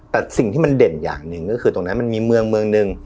แต่สิ่งที่มันเด่นอย่างหนึ่งก็คือตรงนั้นมันมีเมืองหนึ่ง